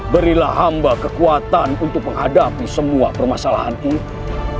berilah hamba kekuatan untuk menghadapi semua permasalahan itu